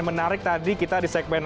menarik tadi kita di segmen